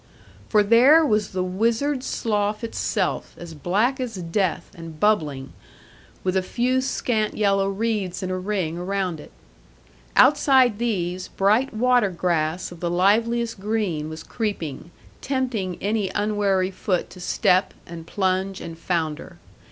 For there was the Wizard's Slough itself, as black as death, and bubbling, with a few scant yellow reeds in a ring around it. Outside these, bright water grass of the liveliest green was creeping, tempting any unwary foot to step, and plunge, and founder.